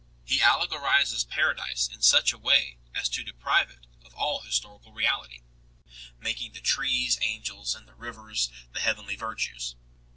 He allegorizes Paradise in such a way as to deprive it of all historical reality, making the trees angels and the rivers the heavenly virtues.